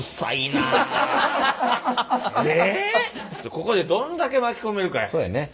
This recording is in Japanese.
ここでどんだけ巻き込めるかやね。